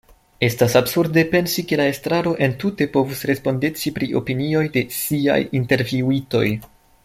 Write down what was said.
Estas absurde pensi ke la estraro entute povus respondeci pri opinioj de “siaj” intervjuitoj.